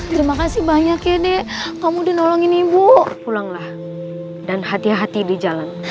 terima kasih banyak ya dek kamu udah nolongin ibu pulanglah dan hati hati di jalan